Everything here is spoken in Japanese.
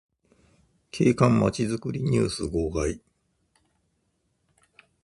景観まちづくりニュース号外